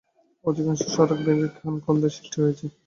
অধিকাংশ সড়ক ভেঙে খানাখন্দের সৃষ্টি হয়েছে।